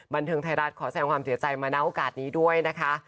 บันเทิงไทยรัฐขอแสงความเสียใจมาณโอกาสนี้ด้วยนะคะ